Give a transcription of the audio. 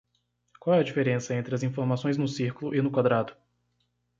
Qual é a diferença entre as informações no círculo e no quadrado?